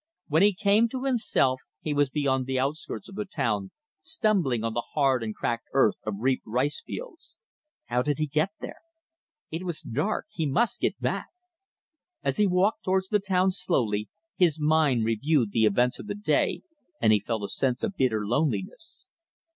When he came to himself he was beyond the outskirts of the town, stumbling on the hard and cracked earth of reaped rice fields. How did he get there? It was dark. He must get back. As he walked towards the town slowly, his mind reviewed the events of the day and he felt a sense of bitter loneliness.